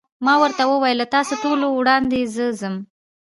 ما ورته وویل: له تاسو ټولو وړاندې زه ځم.